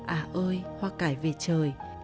à ơi hoa cải về trời